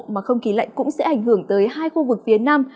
mà không khí lạnh cũng sẽ ảnh hưởng tới hai khu vực phía nam